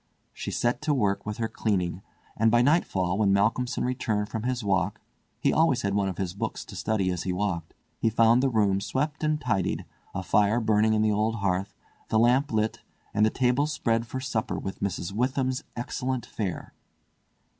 She set to work with her cleaning; and by nightfall, when Malcolmson returned from his walk—he always had one of his books to study as he walked—he found the room swept and tidied, a fire burning in the old hearth, the lamp lit, and the table spread for supper with Mrs. Witham's excellent fare.